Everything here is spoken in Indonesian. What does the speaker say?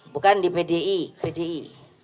bukan di bdi